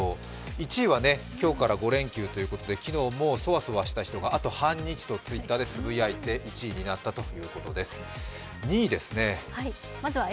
１位は今日から５連休ということが昨日、もうそわそわした人が「あと半日」とＴｗｉｔｔｅｒでつぶやいて１位になったということです。